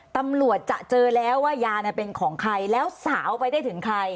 ตำรวจจะเจอแล้วว่ายาเป็นของใครแล้วสาวไปได้ถึงใคร